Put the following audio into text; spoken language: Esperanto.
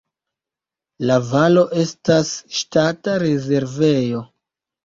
La valo estas ŝtata rezervejo.